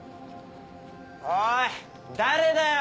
おい誰だよ！